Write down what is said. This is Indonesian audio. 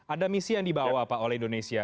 ada misi yang dibawa pak oleh indonesia